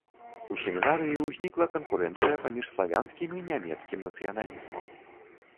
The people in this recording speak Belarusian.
У семінарыі ўзнікла канкурэнцыя паміж славянскім і нямецкім нацыяналізмам.